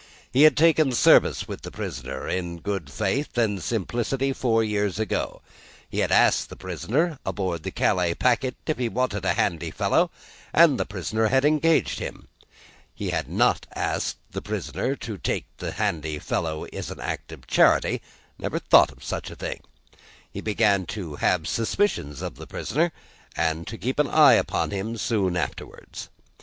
He had taken service with the prisoner, in good faith and simplicity, four years ago. He had asked the prisoner, aboard the Calais packet, if he wanted a handy fellow, and the prisoner had engaged him. He had not asked the prisoner to take the handy fellow as an act of charity never thought of such a thing. He began to have suspicions of the prisoner, and to keep an eye upon him, soon afterwards.